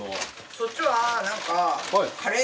そっちはなんか。